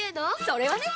それはね！